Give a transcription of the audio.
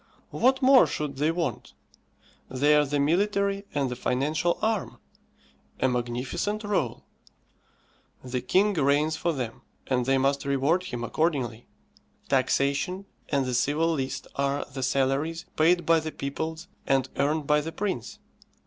What more should they want? They are the military and the financial arm. A magnificent rôle. The king reigns for them, and they must reward him accordingly. Taxation and the civil list are the salaries paid by the peoples and earned by the prince.